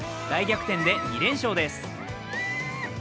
大逆転で２連勝です。